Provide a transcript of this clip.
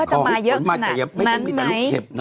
ถ้าจะมาเยอะขนาดนั้นไหม